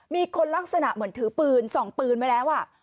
มีคนลักษณะเหมือนถือปืนส่องปืนไว้แล้ว